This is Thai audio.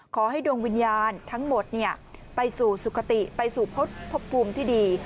ขอให้ดวงวิญญาณทั้งหมดไปสู่สุขติไปสู่พบภูมิที่ดี